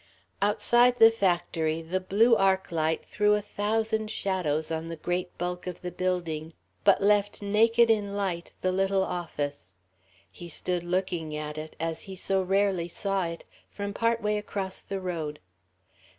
Outside the factory, the blue arc light threw a thousand shadows on the great bulk of the building, but left naked in light the little office. He stood looking at it, as he so rarely saw it, from part way across the road.